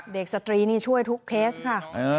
สตรีนี่ช่วยทุกเคสค่ะ